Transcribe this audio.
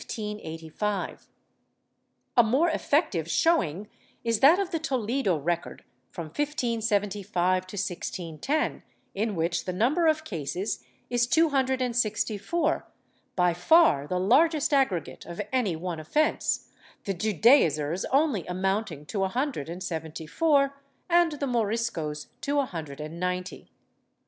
^ A more effec tive showing is that of the Toledo record from 1575 to 1610, in which the number of cases is two hundred and sixty four — by far the largest aggregate of any one offence, the Judaizers only amount ing to a hundred and seventy four and the Moriscos to a hundred and ninety.